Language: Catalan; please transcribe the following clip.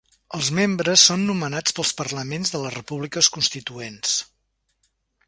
Els membres són nomenats pels parlaments de les repúbliques constituents.